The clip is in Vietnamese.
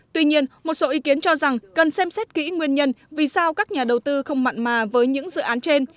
tuy nhiên một số ý kiến cho rằng cần xem xét kỹ nguyên nhân vì sao các nhà đầu tư không mặn mà với những dự án trên